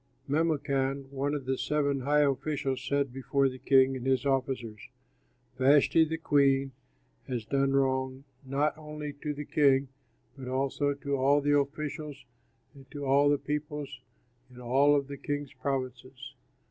Memucan, one of the seven high officials, said before the king and his officers, "Vashti, the queen, has done wrong not only to the king but also to all the officials and to all the peoples in all of the king's provinces.